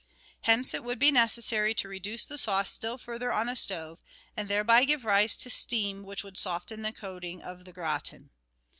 Hence it would be necessary to reduce the sauce still further on the stove, and thereby give rise to steam which would soften the coating of the gratin.